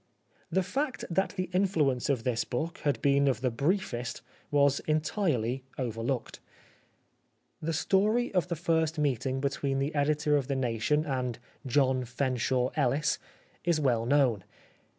The fact that the influence of this book 66 The Life of Oscar Wilde had been of the briefest was entirely over looked. The story of the first meeting between the editor of The Nation and " John Fenshaw Ellis " is well known.